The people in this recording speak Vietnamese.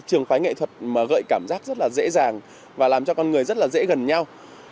trường phái nghệ thuật gợi cảm giác rất dễ dàng và làm cho con người rất dễ gần nhau